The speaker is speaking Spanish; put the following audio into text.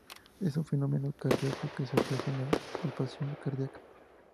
Es un fenómeno cardíaco que se aprecia en la palpación cardíaca.